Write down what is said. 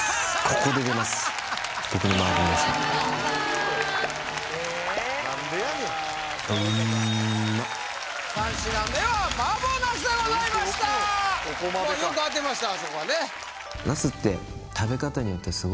ここはよく当てました